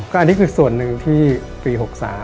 อันนี้คือส่วนหนึ่งที่ปี๖๓